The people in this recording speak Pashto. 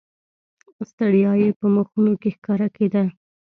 ستړیا یې په مخونو کې ښکاره کېده.